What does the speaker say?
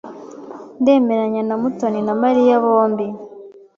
Ndemeranya na Mutoni na Mariya bombi.